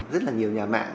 rất là nhiều nhà mạng